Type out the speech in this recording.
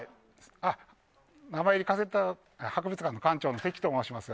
名前入りカセット博物館の館長の関と申します。